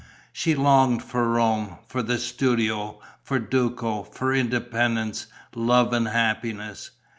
She longed for Rome, for the studio, for Duco, for independence, love and happiness.